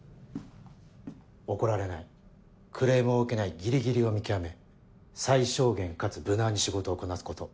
怒られないクレームを受けないギリギリを見極め最小限かつ無難に仕事をこなすこと。